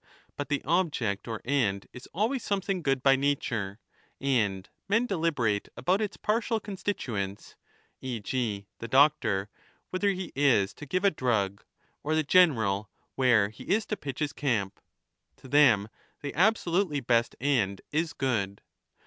But the object or end is always something good by nature, and men deliberate about its partial constituents, e. g. the doctor whether he is to give a drug, or the general where he 20 is to pitch his camp. To them the absolutely best end is good.